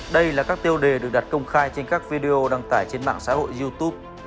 đây là các tiêu đề được đặt công khai trên các video đăng tải trên mạng xã hội youtube